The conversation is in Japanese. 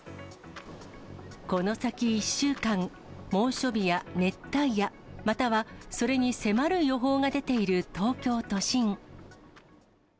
この先１週間、猛暑日や熱帯夜、またはそれに迫る予報が出ている東京都心。